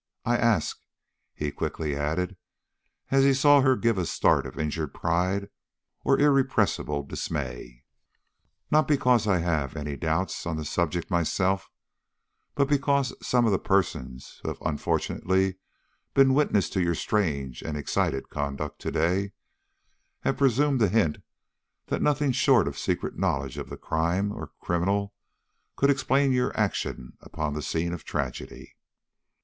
I ask," he quickly added, as he saw her give a start of injured pride or irrepressible dismay, "not because I have any doubts on the subject myself, but because some of the persons who have unfortunately been witness to your strange and excited conduct to day, have presumed to hint that nothing short of a secret knowledge of the crime or criminal could explain your action upon the scene of tragedy."